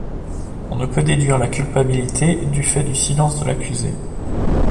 On ne peut déduire la culpabilité du fait du silence de l'accusé.